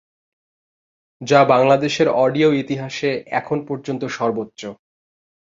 যা বাংলাদেশের অডিও ইতিহাসে এখন পর্যন্ত সর্বোচ্চ।